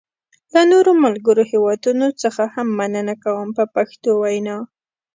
له نورو ملګرو هېوادونو څخه هم مننه کوم په پښتو وینا.